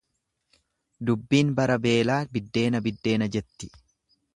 Dubbiin bara beelaa biddeena biddeena jetti.